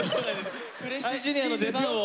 フレッシュＪｒ．の出番を。